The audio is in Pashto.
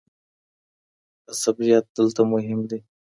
عصبيت دلته مهم دی.